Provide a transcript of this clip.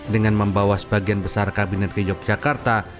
dengan membawa sebagian besar kabinet ke yogyakarta